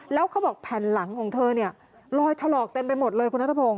แล้วเขาบอกแผ่นหลังของเธอเนี่ยลอยถลอกเต็มไปหมดเลยคุณนัทพงศ